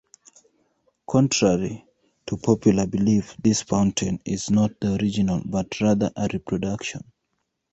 Contrary to popular belief, this fountain is not the original but rather a reproduction.